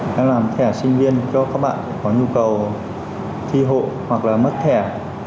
đang làm thẻ sinh viên cho các bạn có nhu cầu thi hộ hoặc là mất thẻ